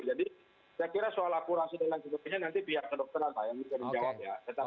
jadi saya kira soal akurasi dan lain sebagainya nanti pihak dokter akan menjawab ya